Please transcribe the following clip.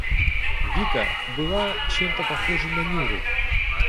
Вика была чем-то похожа на Нюру.